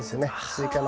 スイカの。